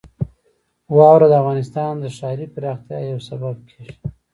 واوره د افغانستان د ښاري پراختیا یو سبب کېږي.